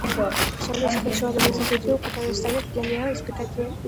Мы приближаемся к еще одному событию, которое станет для нее испытанием.